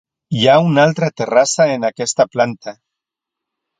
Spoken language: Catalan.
Hi ha una altra terrassa en aquesta planta.